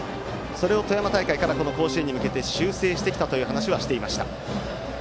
それを富山大会から甲子園に向けて修正してきたという話はしていました。